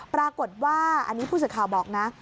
ปรากฏว่าอันนี้ผู้สื่อข่าวบอกนะ